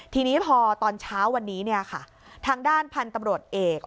ทีนี้พอตอนเช้าวันนี้เนี่ยค่ะทางด้านพันธุ์ตำรวจเอก